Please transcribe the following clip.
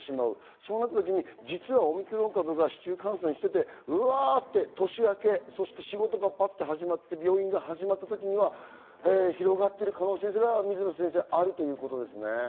そうなったときにオミクロン株が市中感染していて、年明け、仕事が始まって病院が始まった時には広がっている可能性があるということですね。